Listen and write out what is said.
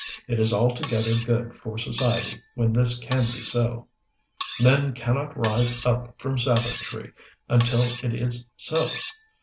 It is altogether good for society when this can be so. Men can not rise up from savagery until it is so.